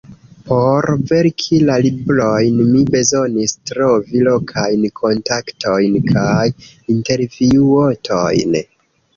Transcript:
Por verki la librojn mi bezonis trovi lokajn kontaktojn kaj intervjuotojn.